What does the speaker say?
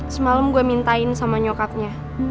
semalam gue mintain sama nyokapnya